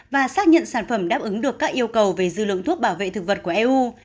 và xác nhận sản phẩm đáp ứng được các yêu cầu về dư lượng thuốc bảo vệ thực vật của eu